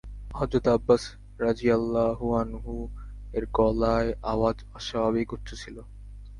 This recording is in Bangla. হযরত আব্বাস রাযিয়াল্লাহু আনহু-এর গলায় আওয়াজ অস্বাভাবিক উচ্চ ছিল।